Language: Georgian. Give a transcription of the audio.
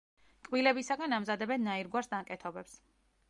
კბილებისაგან ამზადებენ ნაირგვარ ნაკეთობებს.